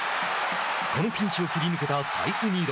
このピンチを切り抜けたサイスニード。